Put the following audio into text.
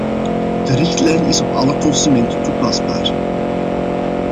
De richtlijn is op alle consumenten toepasbaar.